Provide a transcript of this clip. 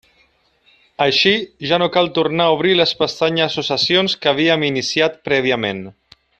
Així, ja no cal tornar a obrir les pestanyes o sessions que havíem iniciat prèviament.